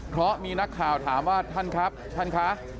เพราะมีนักข่าวถามว่าท่านครับท่านคะ